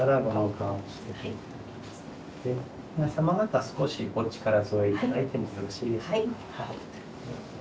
皆様方少しお力添え頂いてもよろしいでしょうか。